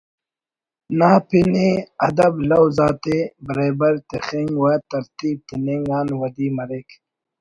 نا پن ءِ ادب لوز آتے بریبر تخنگ و ترتیب تننگ آن ودی مریک